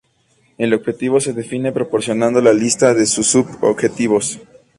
El objetivo se define proporcionando la lista de sub-objetivos.